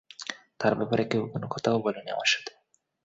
তার ব্যাপারে কেউ কোনো কথাও বলেনি আমার সাথে।